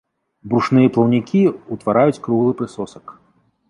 Брушныя плаўнікі ўтвараюць круглы прысосак.